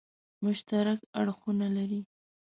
مشترک اړخونه لري.